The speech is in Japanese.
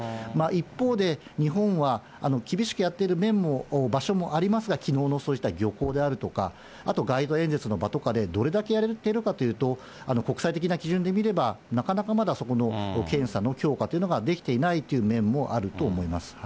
一方で、日本は厳しくやっている面も場所もありますが、きのうのそうした漁港であるとか、あと街頭演説の場とかでどれだけやれてるかっていうと、国際的な基準で見れば、なかなかまだそこの検査の強化というのができていないという面もあると思います。